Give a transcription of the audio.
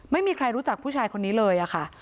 ไม่มีใครรู้จักผู้ชายคนนี้เลยค่ะ